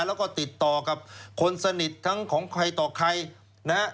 แล้วก็ติดต่อกับคนสนิททั้งของใครต่อใครนะฮะ